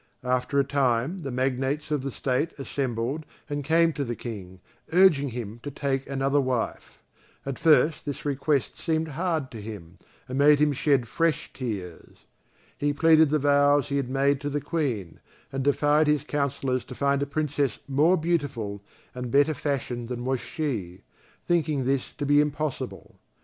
After a time the magnates of the State assembled and came to the King, urging him to take another wife. At first this request seemed hard to him and made him shed fresh tears. He pleaded the vows he had made to the Queen, and defied his counsellors to find a Princess more beautiful and better fashioned than was she, thinking this to be impossible.